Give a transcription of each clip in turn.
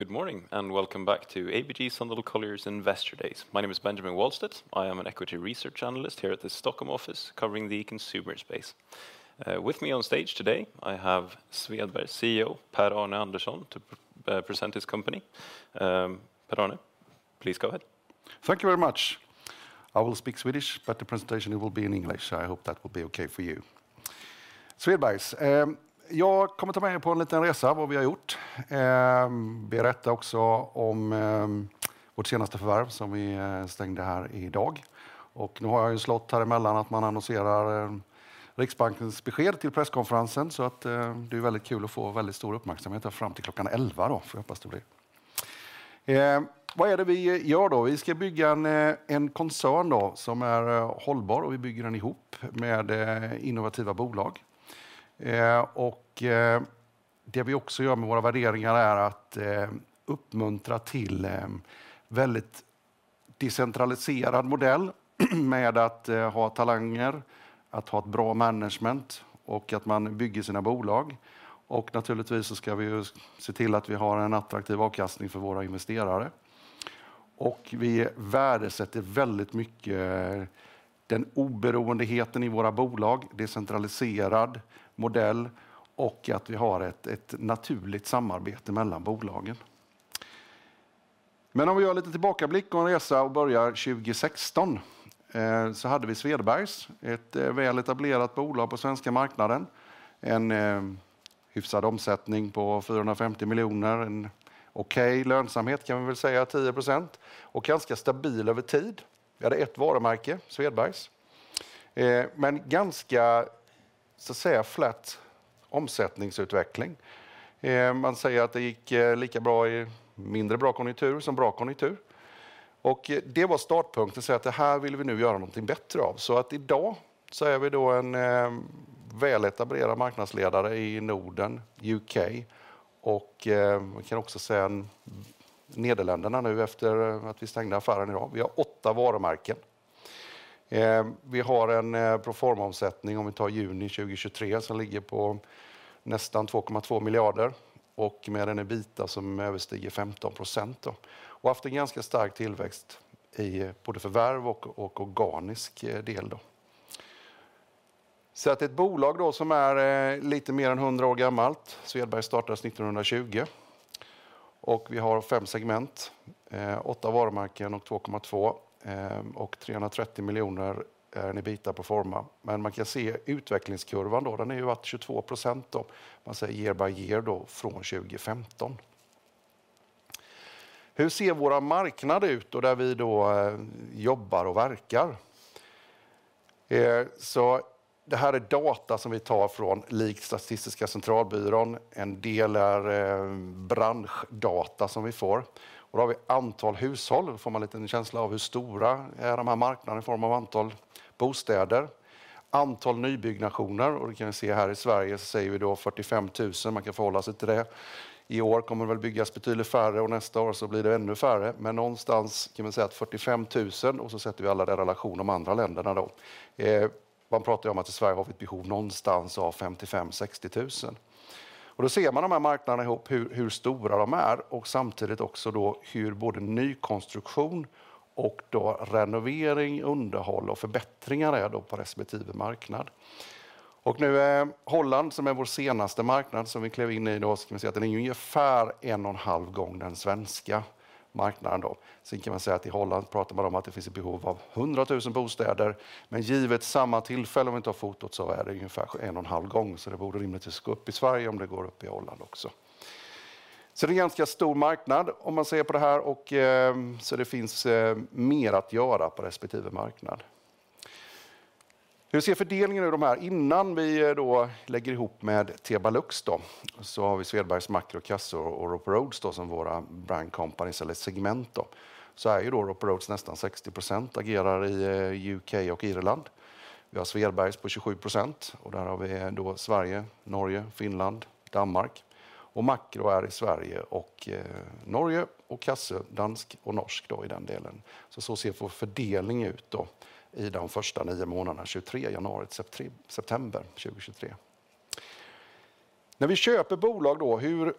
Good morning and welcome back to ABG Sundal Colliers Investor Days. My name is Benjamin Walstedt. I am an equity research analyst here at the Stockholm office, covering the consumer space. With me on stage today, I have Svedbergs CEO, Per-Arne Andersson, to present his company. Per-Arne, please go ahead. Thank you very much. I will speak Swedish, but the presentation will be in English, so I hope that will be okay for you. Svedbergs. Jag kommer att ta med er på en liten resa, vad vi har gjort. Berätta också om vårt senaste förvärv som vi stängde här i dag. Och nu har jag ju slått här emellan att man annonserar Riksbankens besked till presskonferensen, så att det är väldigt kul att få väldigt stor uppmärksamhet här fram till klockan elva då, får jag hoppas på det. Vad är det vi gör då? Vi ska bygga en koncern då, som är hållbar och vi bygger den ihop med innovativa bolag. Och det vi också gör med våra värderingar är att uppmuntra till väldigt decentraliserad modell med att ha talanger, att ha ett bra management och att man bygger sina bolag. Och naturligtvis så ska vi se till att vi har en attraktiv avkastning för våra investerare. Vi värdesätter väldigt mycket oberoendet i våra bolag, decentraliserad modell och att vi har ett naturligt samarbete mellan bolagen. Men om vi gör lite tillbakablick och en resa och börjar 2016, så hade vi Svedbergs, ett väletablerat bolag på svenska marknaden. En hyfsad omsättning på 450 miljoner, en okej lönsamhet kan vi väl säga, 10%, och ganska stabil över tid. Vi hade ett varumärke, Svedbergs, men ganska, så att säga, flat omsättningsutveckling. Man säger att det gick lika bra i mindre bra konjunktur som bra konjunktur. Det var startpunkten, så att det här vill vi nu göra någonting bättre av. I dag är vi en väletablerad marknadsledare i Norden, UK, och vi kan också säga Nederländerna nu efter att vi stängde affären i dag. Vi har åtta varumärken. Vi har en proforma-omsättning, om vi tar juni 2023, som ligger på nästan 2,2 miljarder och med en EBITDA som överstiger 15%. Haft en ganska stark tillväxt i både förvärv och organisk del. Det är ett bolag som är lite mer än hundra år gammalt. Svedbergs startades 1920 och vi har fem segment, åtta varumärken och 2,2 och 330 miljoner är en EBITDA proforma. Man kan se utvecklingskurvan, den är ju 22% year by year från 2015. Hur ser våra marknader ut där vi jobbar och verkar? Det här är data som vi tar från Statistiska centralbyrån. En del är branschdata som vi får. Vi har antal hushåll. Man får en liten känsla av hur stora de här marknaderna är i form av antal bostäder. Antal nybyggnationer, och det kan vi se här i Sverige, så säger vi fyrtiofemtusen. Man kan förhålla sig till det. I år kommer det väl byggas betydligt färre och nästa år så blir det ännu färre, men någonstans kan man säga att fyrtiofemtusen och så sätter vi allt det i relation till de andra länderna. Man pratar ju om att i Sverige har vi ett behov någonstans av femtiofem, sextiotusen. Man ser de här marknaderna ihop, hur stora de är och samtidigt också hur både nykonstruktion och renovering, underhåll och förbättringar är på respektive marknad. Och nu Holland, som är vår senaste marknad som vi klev in i då, ska man säga att den är ungefär en och en halv gång den svenska marknaden då. Sen kan man säga att i Holland pratar man om att det finns ett behov av hundratusen bostäder, men givet samma tillfälle, om vi tar fotot, så är det ungefär en och en halv gång, så det borde rimligtvis gå upp i Sverige om det går upp i Holland också. Det är en ganska stor marknad om man ser på det här, och det finns mer att göra på respektive marknad. Hur ser fördelningen ur de här? Innan vi då lägger ihop med Thebalux då, så har vi Svedbergs, Makro, Cassö och Rope Roads då, som våra brand companies eller segment då. Rope Roads är nästan 60%, agerar i UK och Irland. Vi har Svedbergs på 27% och där har vi då Sverige, Norge, Finland, Danmark. Och Makro är i Sverige och Norge och Cassö, dansk och norsk då i den delen. Så så ser vår fördelning ut då i de första nio månaderna, 2023, januari till september 2023. När vi köper bolag då, hur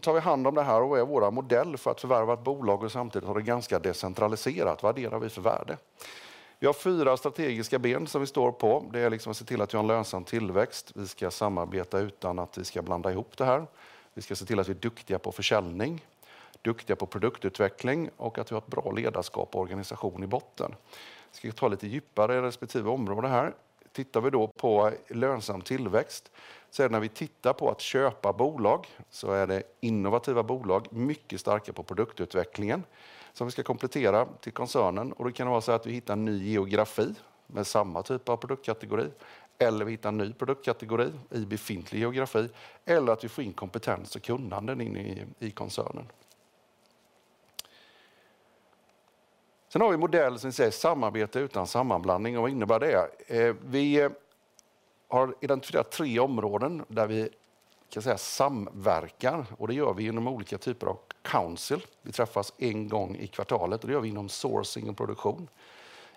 tar vi hand om det här och vad är vår modell för att förvärva ett bolag och samtidigt ha det ganska decentraliserat? Vad värderar vi för värde? Vi har fyra strategiska ben som vi står på. Det är att se till att vi har en lönsam tillväxt. Vi ska samarbeta utan att vi ska blanda ihop det här. Vi ska se till att vi är duktiga på försäljning, duktiga på produktutveckling och att vi har ett bra ledarskap och organisation i botten. Ska vi ta lite djupare i respektive område här. Tittar vi då på lönsam tillväxt, så är det när vi tittar på att köpa bolag, så är det innovativa bolag, mycket starka på produktutvecklingen, som vi ska komplettera till koncernen. Det kan vara så att vi hittar en ny geografi med samma typ av produktkategori, eller vi hittar en ny produktkategori i befintlig geografi, eller att vi får in kompetens och kunnande in i koncernen. Sen har vi modell, som vi säger, samarbete utan sammanblandning. Vad innebär det? Vi har identifierat tre områden där vi kan säga samverkar, och det gör vi igenom olika typer av council. Vi träffas en gång i kvartalet. Det gör vi inom sourcing och produktion,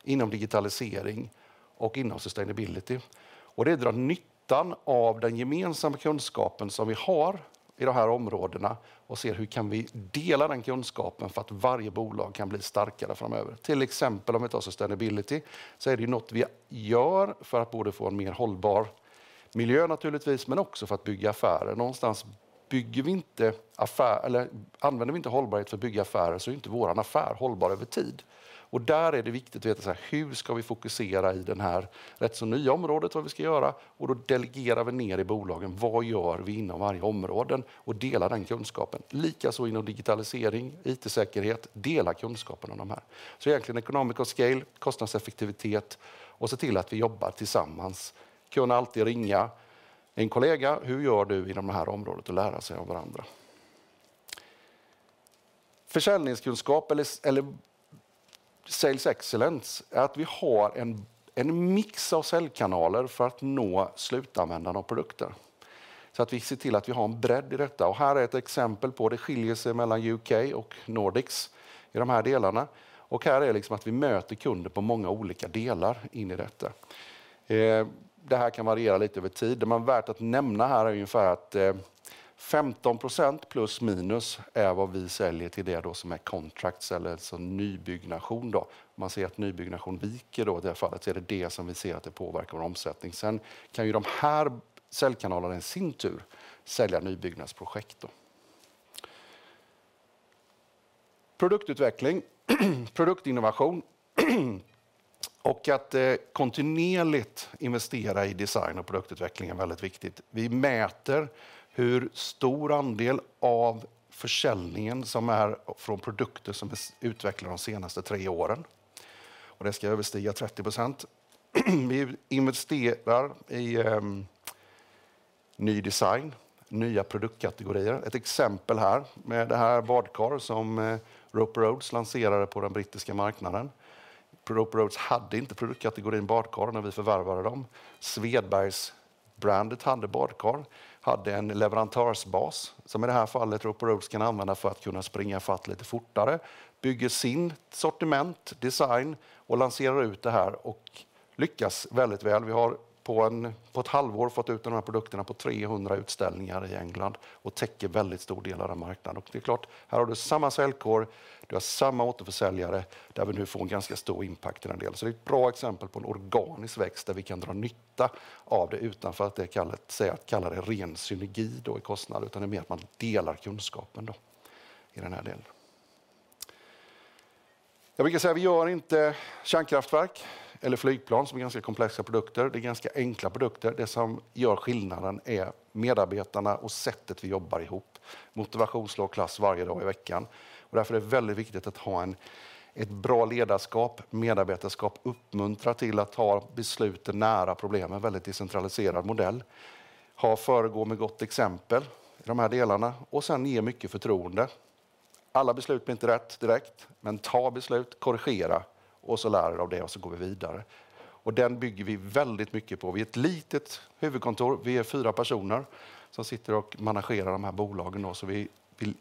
inom digitalisering och inom sustainability. Och det drar nyttan av den gemensamma kunskapen som vi har i de här områdena och ser hur kan vi dela den kunskapen för att varje bolag kan bli starkare framöver. Till exempel, om vi tar sustainability, så är det ju något vi gör för att både få en mer hållbar miljö naturligtvis, men också för att bygga affärer. Någonstans bygger vi inte affär, eller använder vi inte hållbarhet för att bygga affärer, så är inte vår affär hållbar över tid. Och där är det viktigt att veta hur ska vi fokusera i det här rätt så nya området, vad vi ska göra. Och då delegerar vi ner i bolagen, vad gör vi inom varje område. Och dela den kunskapen. Likaså inom digitalisering, IT-säkerhet, dela kunskapen om de här. Så egentligen economy of scale, kostnadseffektivitet och se till att vi jobbar tillsammans. Kunna alltid ringa en kollega: hur gör du inom det här området? Och lära sig av varandra. Försäljningskunskap eller sales excellence är att vi har en mix av säljkanaler för att nå slutanvändaren av produkter. Vi ser till att vi har en bredd i detta. Här är ett exempel på det skiljer sig mellan UK och Nordics i de här delarna. Här är att vi möter kunder på många olika delar in i detta. Det här kan variera lite över tid, men värt att nämna här är ungefär att 15% plus, minus är vad vi säljer till det som är contract eller som nybyggnation. Man ser att nybyggnation viker, i det fallet är det det som vi ser att det påverkar vår omsättning. Sen kan de här säljkanalerna i sin tur sälja nybyggnadsprojekt. Produktutveckling, produktinnovation och att kontinuerligt investera i design och produktutveckling är väldigt viktigt. Vi mäter hur stor andel av försäljningen som är från produkter som vi utvecklar de senaste tre åren. Och det ska överstiga 30%. Vi investerar i ny design, nya produktkategorier. Ett exempel här med det här badkar som Rope Rhodes lanserade på den brittiska marknaden. Rope Rhodes hade inte produktkategorin badkar när vi förvärvade dem. Svedbergs, brandet, hade badkar, hade en leverantörsbas som i det här fallet Rope Rhodes kan använda för att kunna springa ikapp lite fortare, bygger sitt sortiment, design och lanserar ut det här och lyckas väldigt väl. Vi har på ett halvår fått ut de här produkterna på 300 utställningar i England och täcker väldigt stor del av den marknaden. Och det är klart, här har du samma säljkår, du har samma återförsäljare, där vi nu får en ganska stor impact i den delen. Så det är ett bra exempel på en organisk växt där vi kan dra nytta av det utanför att det kan säga att kalla det ren synergi då i kostnad, utan det är mer att man delar kunskapen då i den här delen. Jag brukar säga, vi gör inte kärnkraftverk eller flygplan som är ganska komplexa produkter. Det är ganska enkla produkter. Det som gör skillnaden är medarbetarna och sättet vi jobbar ihop. Motivation slår klass varje dag i veckan. Därför är det väldigt viktigt att ha ett bra ledarskap, medarbetarskap, uppmuntra till att ta besluten nära problemen, väldigt decentraliserad modell. Ha, föregå med gott exempel i de här delarna och sedan ge mycket förtroende. Alla beslut blir inte rätt direkt, men ta beslut, korrigera och lär er av det och går vi vidare. Den bygger vi väldigt mycket på. Vi är ett litet huvudkontor, vi är fyra personer som sitter och managerar de här bolagen. Vi vill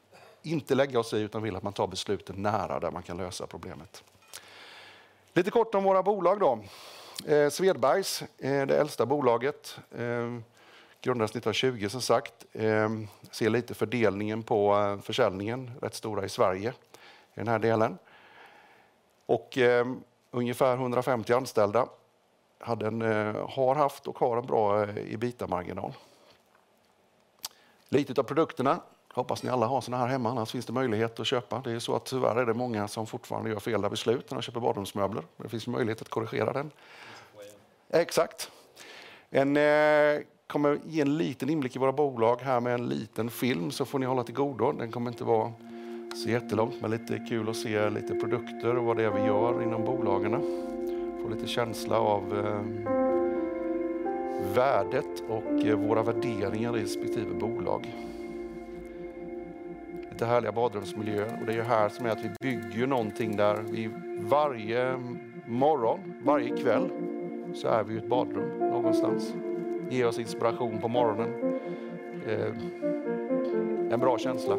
inte lägga oss i, utan vill att man tar besluten nära där man kan lösa problemet. Lite kort om våra bolag då. Svedbergs, det äldsta bolaget, grundades 1920, som sagt. Ser lite fördelningen på försäljningen, rätt stora i Sverige, i den här delen. Ungefär 150 anställda. Hade en, har haft och har en bra EBITDA-marginal. Lite av produkterna. Hoppas ni alla har sådana här hemma, annars finns det möjlighet att köpa. Det är tyvärr många som fortfarande gör fel beslut när de köper badrumsmöbler. Det finns möjlighet att korrigera den. Exakt! En, kommer ge en liten inblick i våra bolag här med en liten film, så får ni hålla till godo. Den kommer inte vara så jättelång, men lite kul att se lite produkter och vad det är vi gör inom bolagen. Få lite känsla av värdet och våra värderingar i respektive bolag. Lite härliga badrumsmiljöer. Det är ju här som är att vi bygger ju någonting där vi varje morgon, varje kväll, så är vi i ett badrum någonstans. Ge oss inspiration på morgonen. En bra känsla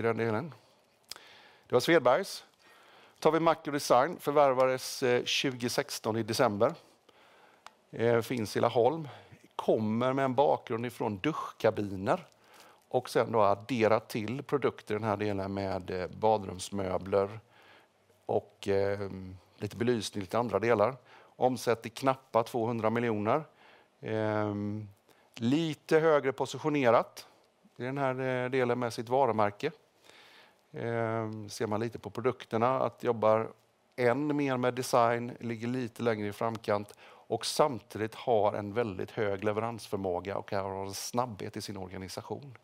i den delen. Det var Svedbergs. Tar vi Macro Design, förvärvades 2016 i december. Finns i Laholm, kommer med en bakgrund ifrån duschkabiner och sedan då adderat till produkter i den här delen med badrumsmöbler och lite belysning, lite andra delar. Omsätter knappa 200 miljoner. Lite högre positionerat i den här delen med sitt varumärke. Ser man lite på produkterna att jobbar än mer med design, ligger lite längre i framkant och samtidigt har en väldigt hög leveransförmåga och har en snabbhet i sin organisation.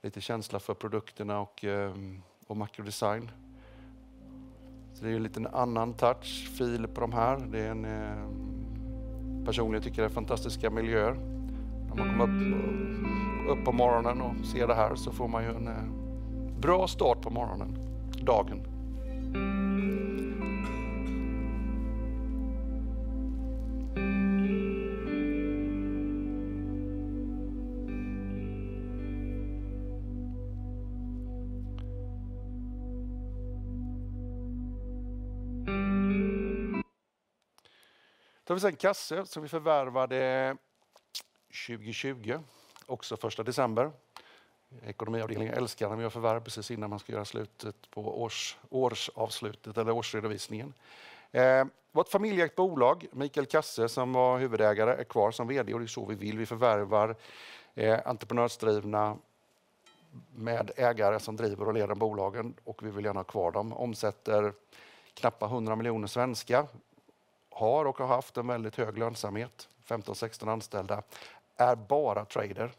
Lite känsla för produkterna och Macro Design. Så det är en liten annan touch, feel på de här. Det är, personligen tycker jag, fantastiska miljöer. När man kommer upp på morgonen och ser det här, så får man ju en bra start på morgonen, dagen. Tar vi sen Kasse, som vi förvärvade 2020, också första december. Ekonomiavdelningen älskar när vi har förvärvat precis innan man ska göra slutet på årsavslutet eller årsredovisningen. Vårt familjeägt bolag, Mikael Kasse, som var huvudägare, är kvar som VD och det är så vi vill. Vi förvärvar entreprenörsdrivna med ägare som driver och leder bolagen, och vi vill gärna ha kvar dem. Omsätter knappa 100 miljoner svenska. Har och har haft en väldigt hög lönsamhet, femton, sexton anställda, är bara trader,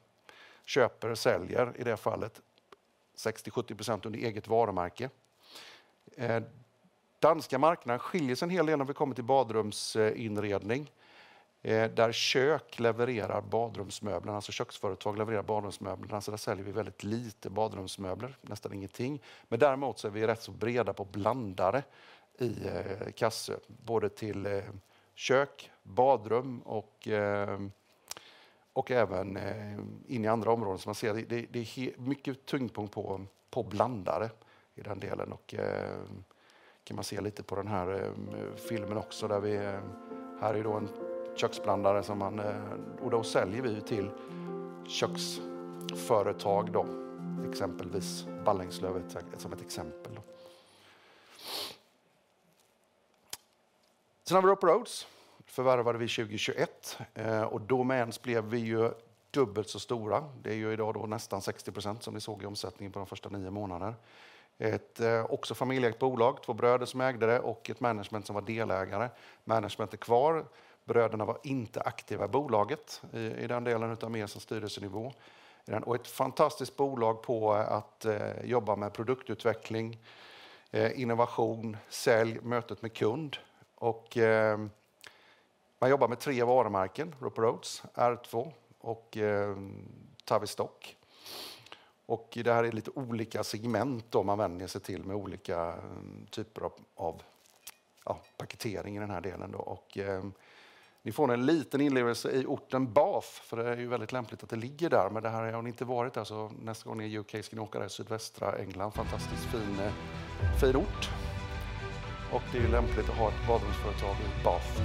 köper och säljer, i det fallet 60%, 70% under eget varumärke. Danska marknaden skiljer sig en hel del om vi kommer till badrumsinredning, där kök levererar badrumsmöblerna, alltså köksföretag levererar badrumsmöblerna. Så där säljer vi väldigt lite badrumsmöbler, nästan ingenting. Men däremot så är vi rätt så breda på blandare i Kasse, både till kök, badrum och även in i andra områden. Som man ser, det är mycket tyngdpunkt på blandare i den delen. Kan man se lite på den här filmen också, där vi... här är då en köksblandare som man, och då säljer vi ju till köksföretag, då, exempelvis Ballingslöv, som ett exempel. När vi har Rope Roads förvärvade vi 2021 och då med ens blev vi ju dubbelt så stora. Det är ju idag då nästan 60%, som ni såg i omsättningen på de första nio månaderna. Ett, också familjeägt bolag, två bröder som ägde det och ett management som var delägare. Management är kvar. Bröderna var inte aktiva i bolaget, i den delen utan mer som styrelsenivå. Ett fantastiskt bolag på att jobba med produktutveckling, innovation, sälj, mötet med kund. Man jobbar med tre varumärken, Rope Roads, R2 och Tavistock. Det här är lite olika segment då man vänder sig till med olika typer av, ja paketering i den här delen då. Ni får en liten inlevelse i orten Bath, för det är ju väldigt lämpligt att det ligger där. Men det här har ni inte varit där, så nästa gång ni är i UK ska ni åka där i sydvästra England. Fantastiskt fin, fin ort. Och det är lämpligt att ha ett badrumsföretag i Bath.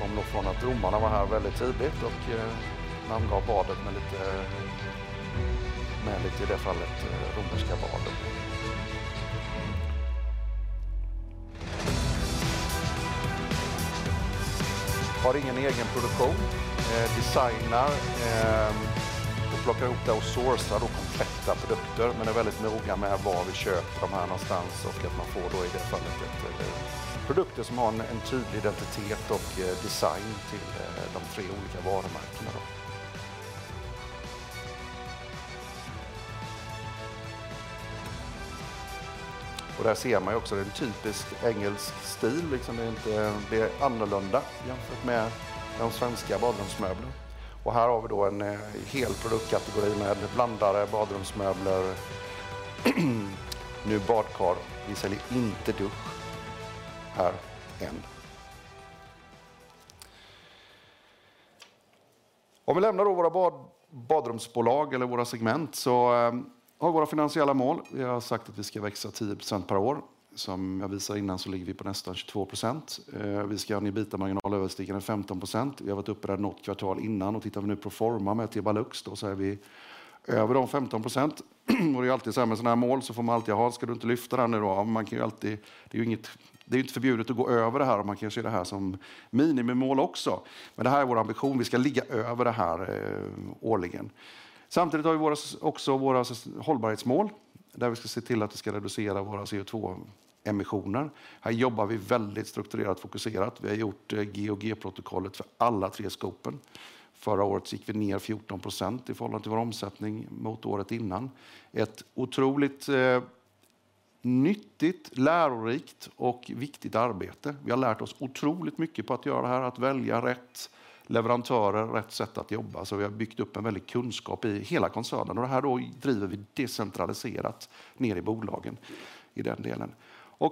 Det kom nog från att romarna var här väldigt tidigt och namngav badet med lite, med lite i det fallet romerska badet. Har ingen egen produktion, designar och plockar ihop det och sourcar då kompletta produkter, men är väldigt noga med var vi köper de här någonstans och att man får då i det fallet produkter som har en tydlig identitet och design till de tre olika varumärkena. Och där ser man ju också en typisk engelsk stil, liksom det är inte, det är annorlunda jämfört med de svenska badrumsmöblerna. Och här har vi då en hel produktkategori med blandare, badrumsmöbler, nu badkar. Vi säljer inte dusch här än. Om vi lämnar då våra badrumsbolag eller våra segment så har våra finansiella mål. Vi har sagt att vi ska växa 10% per år. Som jag visade innan så ligger vi på nästan 22%. Vi ska ha en EBITDA-marginal överstigande 15%. Vi har varit uppe där något kvartal innan och tittar vi nu på forma med Balux, då så är vi över de 15%. Det är alltid såhär med sådana här mål, så får man alltid: ja, ska du inte lyfta den nu då? Man kan ju alltid, det är ju inget, det är inte förbjudet att gå över det här. Man kan ju se det här som minimimål också. Men det här är vår ambition, vi ska ligga över det här årligen. Samtidigt har vi också våra hållbarhetsmål, där vi ska se till att vi ska reducera våra CO₂-emissioner. Här jobbar vi väldigt strukturerat, fokuserat. Vi har gjort GHG-protokollet för alla tre skopen. Förra året gick vi ner 14% i förhållande till vår omsättning mot året innan. Ett otroligt nyttigt, lärorikt och viktigt arbete. Vi har lärt oss otroligt mycket på att göra det här, att välja rätt leverantörer, rätt sätt att jobba. Vi har byggt upp en väldig kunskap i hela koncernen och det här driver vi decentraliserat ner i bolagen i den delen.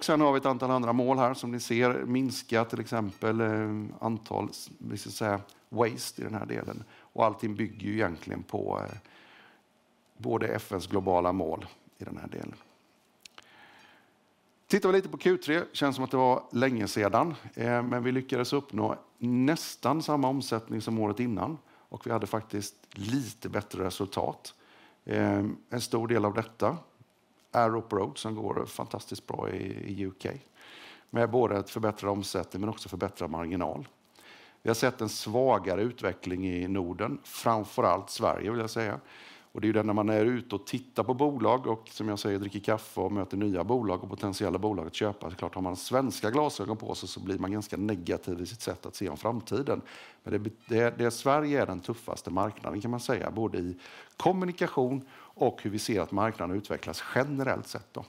Sedan har vi ett antal andra mål här som ni ser, minska till exempel antal waste i den här delen. Allting bygger egentligen på både FN:s globala mål i den här delen. Tittar vi lite på Q3, känns som att det var länge sedan, men vi lyckades uppnå nästan samma omsättning som året innan och vi hade faktiskt lite bättre resultat. En stor del av detta är Rope Roads, som går fantastiskt bra i UK, med både en förbättrad omsättning men också förbättrad marginal. Vi har sett en svagare utveckling i Norden, framför allt Sverige, vill jag säga. Det är det när man är ute och tittar på bolag och, som jag säger, dricker kaffe och möter nya bolag och potentiella bolag att köpa. Det är klart, har man svenska glasögon på sig så blir man ganska negativ i sitt sätt att se på framtiden. Men det, Sverige är den tuffaste marknaden kan man säga, både i kommunikation och hur vi ser att marknaden utvecklas generellt sett då.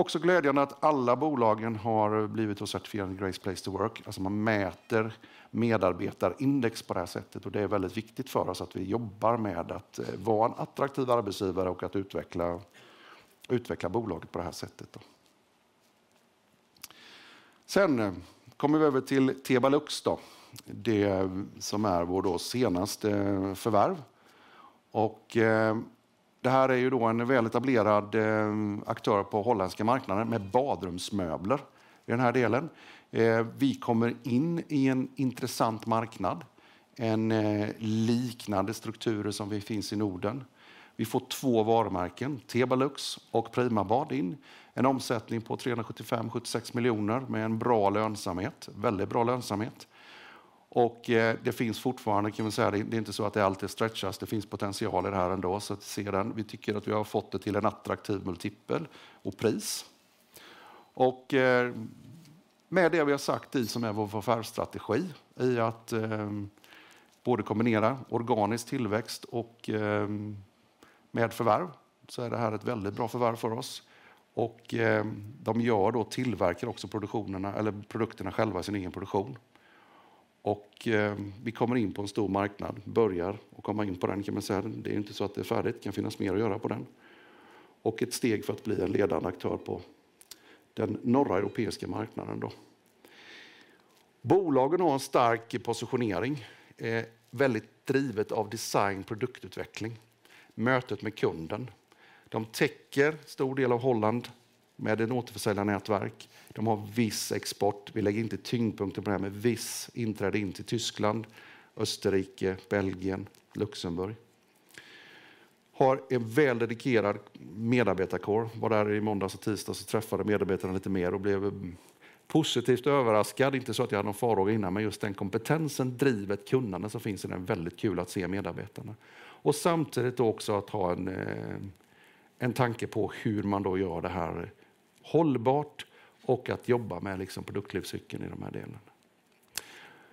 Också glädjande att alla bolagen har blivit certifierade Great Place to Work. Alltså, man mäter medarbetarindex på det här sättet och det är väldigt viktigt för oss att vi jobbar med att vara en attraktiv arbetsgivare och att utveckla bolaget på det här sättet då. Sen kommer vi över till Tebalux då, det som är vårt senaste förvärv. Det här är ju då en väletablerad aktör på holländska marknaden med badrumsmöbler i den här delen. Vi kommer in i en intressant marknad, en liknande struktur som vi finns i Norden. Vi får två varumärken, Tebalux och Primabad in, en omsättning på 375-376 miljoner med en bra lönsamhet, väldigt bra lönsamhet. Det finns fortfarande, kan man säga, det är inte så att det alltid stretchas. Det finns potential i det här ändå, så att se den. Vi tycker att vi har fått det till en attraktiv multipel och pris. Och med det vi har sagt i som är vår förvärvsstrategi i att både kombinera organisk tillväxt och med förvärv, så är det här ett väldigt bra förvärv för oss. Och de gör då, tillverkar också produktionerna eller produkterna själva i sin egen produktion. Och vi kommer in på en stor marknad, börjar att komma in på den kan man säga. Det är inte så att det är färdigt, det kan finnas mer att göra på den. Och ett steg för att bli en ledande aktör på den norra europeiska marknaden då. Bolagen har en stark positionering, är väldigt drivet av design, produktutveckling, mötet med kunden. De täcker en stor del av Holland med ett återförsäljarnätverk. De har viss export. Vi lägger inte tyngdpunkten på det, men viss inträde in till Tyskland, Österrike, Belgien, Luxemburg. Har en väl dedikerad medarbetarkår. Var där i måndags och tisdags och träffade medarbetarna lite mer och blev positivt överraskad. Inte så att jag hade någon farhåga innan, men just den kompetensen, drivet, kunnandet som finns i den. Det är väldigt kul att se medarbetarna. Samtidigt också att ha en tanke på hur man då gör det här hållbart och att jobba med produktlivscykeln i den här delen.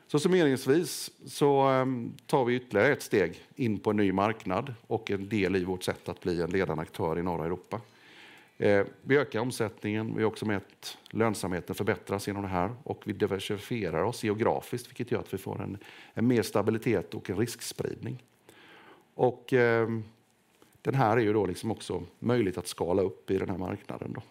Så summeringsvis så tar vi ytterligare ett steg in på en ny marknad och en del i vårt sätt att bli en ledande aktör i norra Europa. Vi ökar omsättningen, vi har också mött lönsamheten förbättras igenom det här och vi diversifierar oss geografiskt, vilket gör att vi får en mer stabilitet och en riskspridning. Den här är ju då också möjligt att skala upp i den här marknaden då.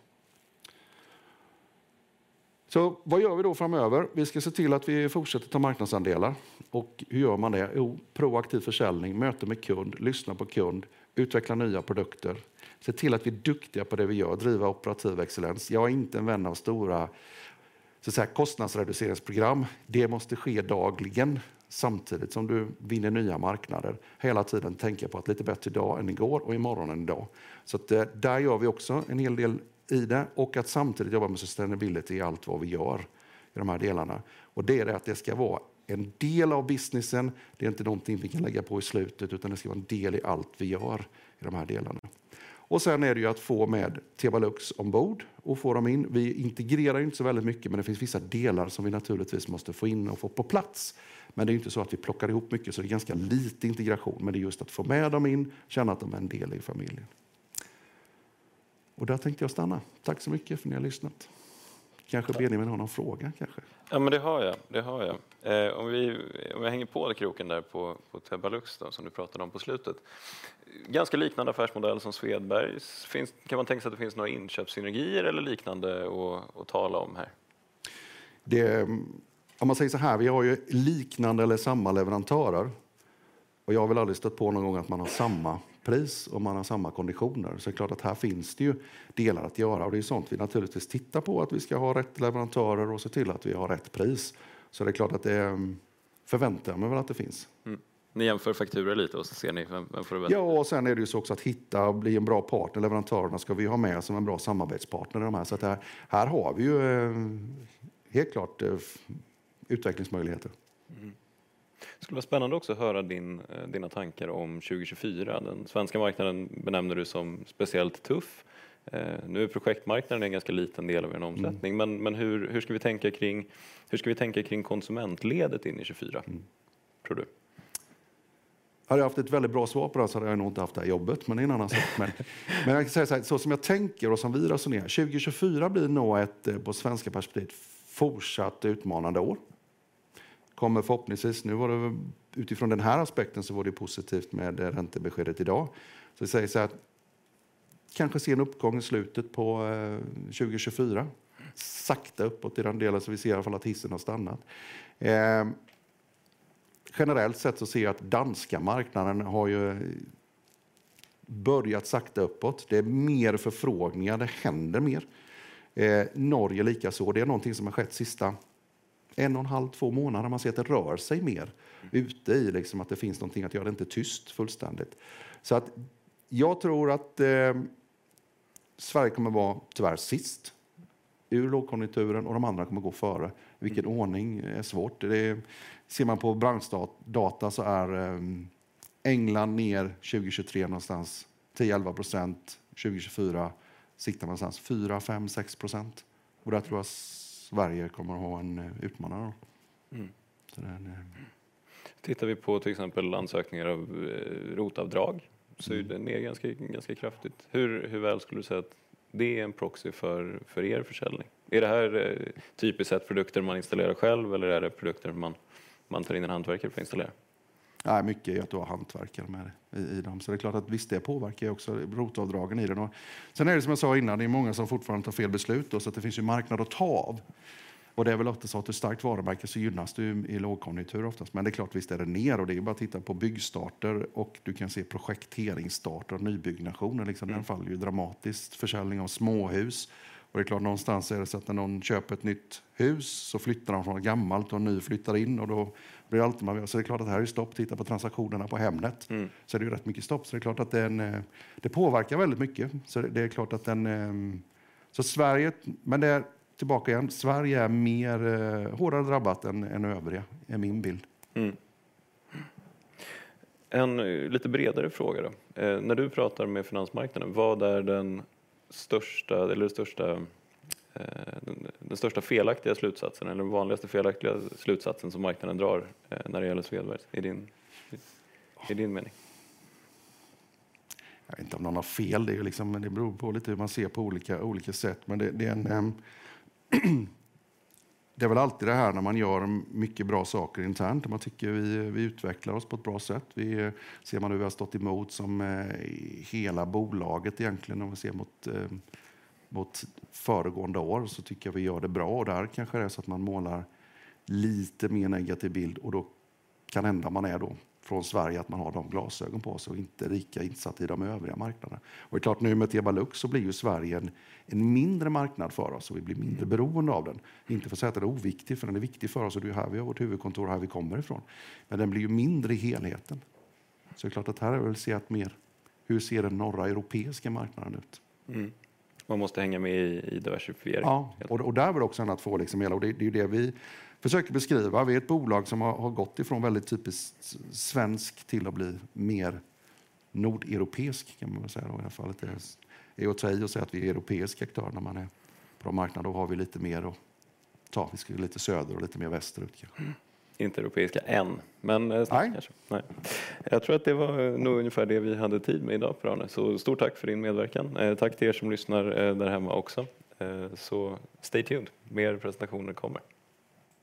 Så vad gör vi då framöver? Vi ska se till att vi fortsätter ta marknadsandelar. Och hur gör man det? Jo, proaktiv försäljning, möte med kund, lyssna på kund, utveckla nya produkter, se till att vi är duktiga på det vi gör, driva operativ excellens. Jag är inte en vän av stora kostnadsreduceringsprogram. Det måste ske dagligen, samtidigt som du vinner nya marknader. Hela tiden tänka på att lite bättre idag än igår och imorgon än idag. Där gör vi också en hel del i det och samtidigt jobba med sustainability i allt vad vi gör i de här delarna. Det är det att det ska vara en del av businessen. Det är inte någonting vi kan lägga på i slutet, utan det ska vara en del i allt vi gör i de här delarna. Och sedan är det ju att få med Tebalux ombord och få dem in. Vi integrerar inte så väldigt mycket, men det finns vissa delar som vi naturligtvis måste få in och få på plats. Men det är inte så att vi plockar ihop mycket, så det är ganska lite integration. Men det är just att få med dem in, känna att de är en del i familjen. Och där tänkte jag stanna. Tack så mycket för att ni har lyssnat! Kanske Benjamin har någon fråga kanske? Ja, men det har jag, det har jag. Om vi, om jag hänger på kroken där på Tebalux då, som du pratade om på slutet. Ganska liknande affärsmodell som Svedbergs. Finns det, kan man tänka sig att det finns några inköpssynergier eller liknande att tala om här? Om man säger såhär, vi har ju liknande eller samma leverantörer och jag har väl aldrig stött på någon gång att man har samma pris och man har samma konditioner. Så klart att här finns det ju delar att göra och det är sånt vi naturligtvis tittar på, att vi ska ha rätt leverantörer och se till att vi har rätt pris. Det är klart att det förväntar jag väl att det finns. Ni jämför fakturor lite och så ser ni vem får det väl? Ja, och sen är det ju också att hitta och bli en bra partner. Leverantörerna ska vi ha med som en bra samarbetspartner. Så här har vi ju helt klart utvecklingsmöjligheter. Mm. Skulle vara spännande också höra dina tankar om 2024. Den svenska marknaden benämner du som speciellt tuff. Nu är projektmarknaden en ganska liten del av omsättningen, men hur ska vi tänka kring konsumentledet in i tjugofyra, tror du? Hade jag haft ett väldigt bra svar på det så hade jag nog inte haft det här jobbet, men det är en annan sak. Men jag kan säga såhär, så som jag tänker och som vi resonerar, 2024 blir nog ett på svenska perspektiv fortsatt utmanande år. Kommer förhoppningsvis, nu var det utifrån den här aspekten så var det positivt med räntebeskedet idag. Så vi säger såhär att kanske se en uppgång i slutet på 2024, sakta uppåt i den delen. Så vi ser i alla fall att hissen har stannat. Generellt sett så ser jag att danska marknaden har ju börjat sakta uppåt. Det är mer förfrågningar, det händer mer. Norge är likaså, det är någonting som har skett sista en och en halv, två månader. Man ser att det rör sig mer ute i, liksom att det finns någonting att göra. Det är inte tyst, fullständigt. Så att jag tror att Sverige kommer att vara tyvärr sist ur lågkonjunkturen och de andra kommer att gå före. Vilken ordning är svårt. Ser man på branschdata så är England ner 2023, någonstans 10-11%. 2024 siktar man någonstans 4-6%. Och där tror jag Sverige kommer att ha en utmaning. Tittar vi på till exempel ansökningar av ROT-avdrag, så är det ner ganska, ganska kraftigt. Hur väl skulle du säga att det är en proxy för er försäljning? Är det här typiskt sett produkter man installerar själv eller är det produkter man tar in en hantverkare för att installera? Nej, mycket är att du har hantverkare med i dem. Så det är klart att visst, det påverkar också rotavdragen i den. Sen är det som jag sa innan, det är många som fortfarande tar fel beslut, så det finns ju marknad att ta av. Det är väl oftast så att ett starkt varumärke så gynnas du i lågkonjunktur oftast. Men det är klart, visst är det ner och det är bara att titta på byggstarter och du kan se projekteringsstarter och nybyggnationer. Den faller ju dramatiskt, försäljning av småhus. Det är klart, någonstans är det så att när någon köper ett nytt hus så flyttar de från ett gammalt och en ny flyttar in och då blir allt. Så det är klart att det här är stopp. Titta på transaktionerna på Hemnet, så är det ju rätt mycket stopp. Det är klart att det påverkar väldigt mycket. Det är klart att den, men tillbaka igen, Sverige är mer hårdare drabbat än övriga. Det är min bild. En lite bredare fråga då. När du pratar med finansmarknaden, vad är det största eller den största felaktiga slutsatsen eller den vanligaste felaktiga slutsatsen som marknaden drar när det gäller Svedbergs, i din mening? Jag vet inte om någon har fel. Det beror på lite hur man ser på olika, olika sätt. Men det är väl alltid det här när man gör mycket bra saker internt. Man tycker vi utvecklar oss på ett bra sätt. Vi, ser man hur vi har stått emot som hela bolaget egentligen, om man ser mot, mot föregående år, så tycker jag vi gör det bra. Och där kanske det är så att man målar lite mer negativ bild och då kan hända man är då från Sverige, att man har de glasögonen på oss och inte lika insatt i de övriga marknaderna. Och det är klart, nu med Tebalux så blir ju Sverige en mindre marknad för oss och vi blir mindre beroende av den. Inte för att säga att det är oviktigt, för den är viktig för oss och det är här vi har vårt huvudkontor, här vi kommer ifrån. Men den blir ju mindre i helheten. Så det är klart att här har jag väl sett mer hur ser den norra europeiska marknaden ut? Man måste hänga med i diversifiering. Ja, och där är väl också annat få liksom. Det är det vi försöker beskriva. Vi är ett bolag som har gått ifrån väldigt typiskt svensk till att bli mer nordeuropeisk, kan man väl säga. I alla fall, det är åt dig att säga att vi är europeisk aktör. När man är på marknad, då har vi lite mer att ta. Vi ska lite söder och lite mer västerut. Inte europeiska än, men- No. Jag tror att det var nog ungefär det vi hade tid med idag, Per-Arne. Så stort tack för din medverkan. Tack till er som lyssnar där hemma också. Så stay tuned! Mer presentationer kommer.